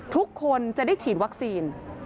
ทุกคนจะได้ฉีดวัคซีน